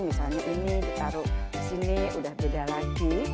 misalnya ini ditaruh di sini udah beda lagi